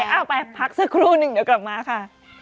เอาไปพักสักครู่หนึ่งเดี๋ยวกลับมาค่ะ